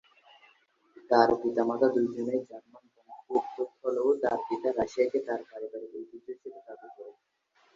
তার পিতামাতা দুজনেই জার্মান বংশোদ্ভূত হলেও তার পিতা রাশিয়াকে তার পারিবারিক ঐতিহ্য হিসেবে দাবী করেন।